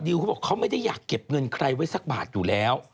เขาบอกเขาไม่ได้อยากเก็บเงินใครไว้สักบาทอยู่แล้ว